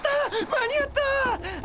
間に合った！